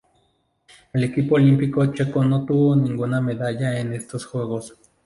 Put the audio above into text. El equipo olímpico checo no obtuvo ninguna medalla en estos Juegos.